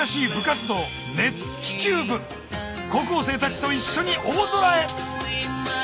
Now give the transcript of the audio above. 高校生たちと一緒に大空へ！